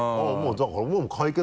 だから。